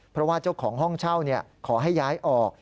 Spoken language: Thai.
เพราะว่าเจ้าของห้องเช่าขอให้ย้ายออก